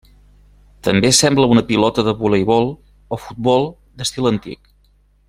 També sembla una pilota de voleibol o futbol d'estil antic.